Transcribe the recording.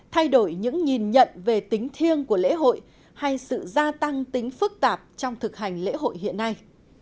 thay đổi những nhìn nhận về tính thiêng của lễ hội hay sự gia tăng tính phức tạp trong thực hành lễ hội hiện nay